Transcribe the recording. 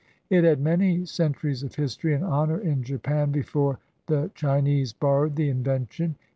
It had many centuries of history and honor in Japan before the Chi 293 JAPAN nese borrowed the invention.